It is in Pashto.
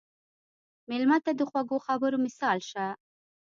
مېلمه ته د خوږو خبرو مثال شه.